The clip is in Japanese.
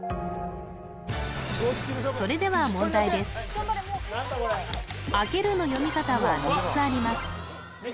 それでは問題です「開ける」の読み方は３つあります